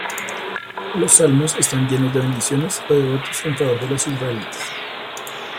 Los salmos están llenos de bendiciones o de votos en favor de los israelitas.